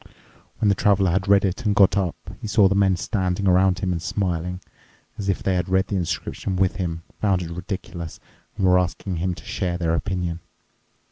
When the Traveler had read it and got up, he saw the men standing around him and smiling, as if they had read the inscription with him, found it ridiculous, and were asking him to share their opinion.